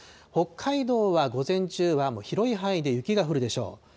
北海道は午前中は広い範囲で雪が降るでしょう。